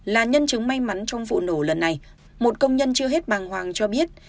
là nhân chứng may mắn trong vụ nổ lần này một công nhân chưa hết bàng hoàng cho biết